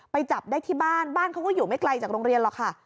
จับได้ที่บ้านบ้านเขาก็อยู่ไม่ไกลจากโรงเรียนหรอกค่ะ